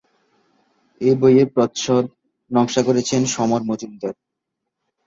এই বইয়ের প্রচ্ছদ নকশা করেছেন সমর মজুমদার।